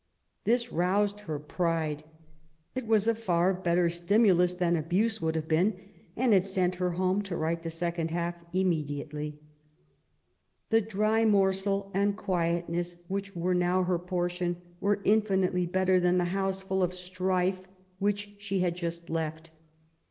This roused her pride. It was a far better stimulus than abuse would have been, and it sent her home to write the second half immediately. The dry morsel and quietness which were now her portion were infinitely better than the house full of strife which she had just left.